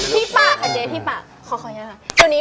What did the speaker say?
ที่ป่ะค่ะเจขออนุญาตสิ